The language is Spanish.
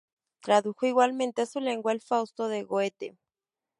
Tradujo igualmente a su lengua el "Fausto" de Goethe.